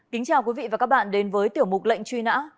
kính chào quý vị và các bạn đến với tiểu mục lệnh truy nã